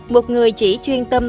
một người chỉ chuyên tâm